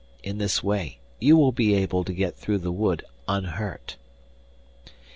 In this way you will be able to get through the wood unhurt.